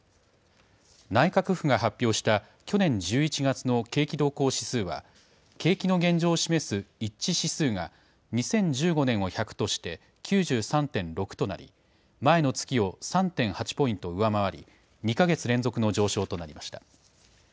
内閣府が発表した去年１１月の景気動向指数は景気の現状を示す一致指数が２０１５年を１００として９３．６となり前の月を３．８ポイント上回り２か月連続の上昇となりました。